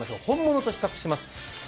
本物と比較します。